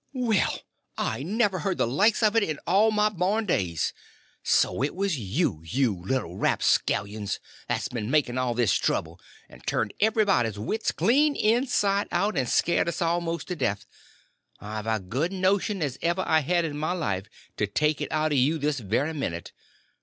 "Well, I never heard the likes of it in all my born days! So it was you, you little rapscallions, that's been making all this trouble, and turned everybody's wits clean inside out and scared us all most to death. I've as good a notion as ever I had in my life to take it out o' you this very minute.